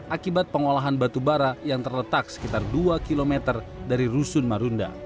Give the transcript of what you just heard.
akibat pengolahan batu bara yang terletak sekitar dua km dari rusun marunda